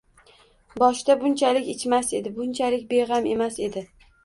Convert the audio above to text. Boshda bunchalik ichmas edi, bunchalik beg‘am emas edi